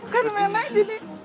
kan memang ini